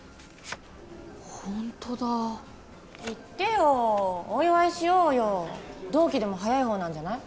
ホントだ言ってよお祝いしようよ同期でも早いほうなんじゃない？